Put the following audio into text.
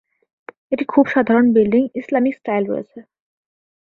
একটি খুব সাধারণ বিল্ডিং ইসলামিক স্টাইল রয়েছে।